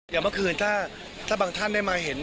อย่างเมื่อคืนถ้าบางท่านได้มาเห็น